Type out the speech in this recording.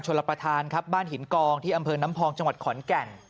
รับประทานครับบ้านหินกองที่อำเภอน้ำพองจังหวัดขอนแก่น